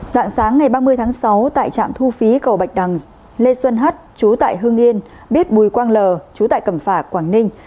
dạng sáng ngày ba mươi tháng sáu tại trạm thu phí cầu bạch đằng lê xuân hắt chú tại hương yên biết bùi quang l chú tại cẩm phả quảng ninh